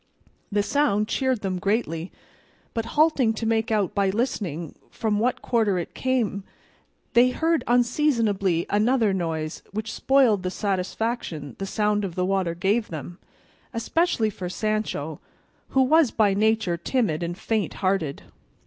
The sound cheered them greatly; but halting to make out by listening from what quarter it came they heard unseasonably another noise which spoiled the satisfaction the sound of the water gave them, especially for Sancho, who was by nature timid and faint hearted.